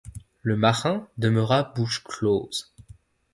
Le marin demeura bouche close.